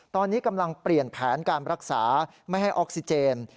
ตอนนี้กำลังเปลี่ยนแผนการรักษาไม่ให้ออกซิเจน